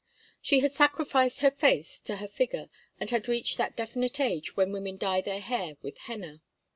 She had sacrificed her face to her figure and had reached that definite age when women dye their hair with henna.